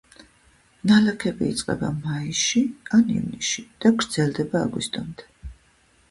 ნალექები იწყება მაისში ან ივნისში და გრძელდება აგვისტომდე.